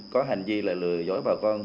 có hành vi lừa dối bà con